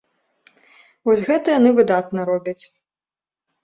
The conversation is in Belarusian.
Вось гэта яны выдатна робяць.